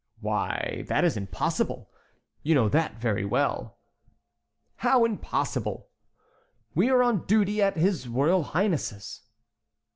"Why, that is impossible! You know that very well." "How impossible?" "We are on duty at his royal highness's."